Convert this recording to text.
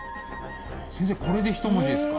先生これで一文字ですか？